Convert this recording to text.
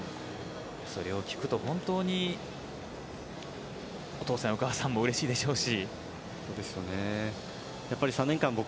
それを聞くと本当にお父さんやお母さんもうれしいでしょうし。